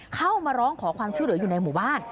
เข้ามาร้องขอความช่วยเหลืออยู่ในหมู่บ้าน